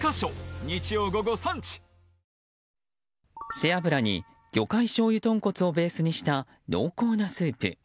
背油に魚介しょうゆ豚骨をベースとした濃厚なスープ。